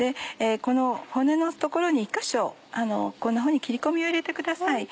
骨の所に１か所こんなふうに切り込みを入れてください。